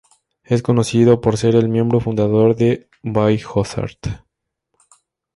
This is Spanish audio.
Es conocido por ser el miembro fundador de Biohazard.